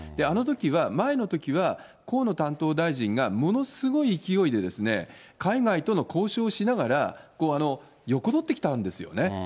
あのときは、前のときは河野担当大臣がものすごい勢いで、海外との交渉しながら、よこどってきたんですよね。